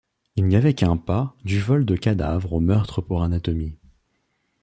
Il n'y avait qu'un pas du vol de cadavres au meurtre pour anatomie.